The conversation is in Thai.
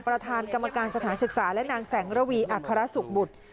ประธานกรรมการสถานศึกษาและนางแสงระวีอัครสุขบุตร